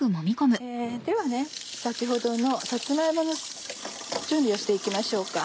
では先ほどのさつま芋の準備をして行きましょうか。